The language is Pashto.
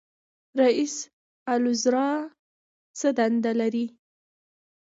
رئیس الوزرا څه دندې لري؟